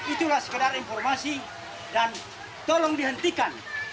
itulah sekedar informasi dan tolong dihentikan